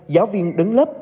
giáo viên đứng lớp